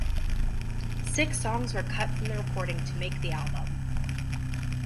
Six songs were cut from the recording to make the album.